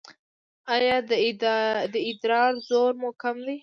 ایا د ادرار زور مو کم دی؟